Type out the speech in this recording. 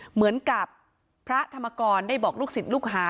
เหมือนกับพระธรรมกรได้บอกลูกศิษย์ลูกหา